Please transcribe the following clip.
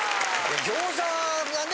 餃子がね